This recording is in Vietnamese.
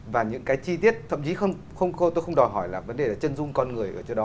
và những cái chi tiết thậm chí không cô tôi không đòi hỏi là vấn đề là chân dung con người ở chỗ đó